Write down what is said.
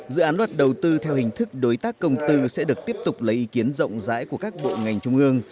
dự án luật đầu tư theo hình thức đối tác công tư sẽ được tiếp tục lấy ý kiến rộng rãi của các bộ ngành trung ương